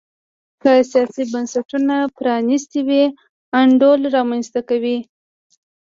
که سیاسي بنسټونه پرانیستي وي انډول رامنځته کوي.